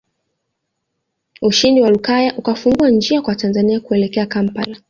Ushindi wa Lukaya ukafungua njia kwa Tanzania kuelekea Kampala